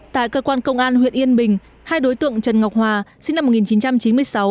tại cơ quan công an huyện yên bình hai đối tượng trần ngọc hòa sinh năm một nghìn chín trăm chín mươi sáu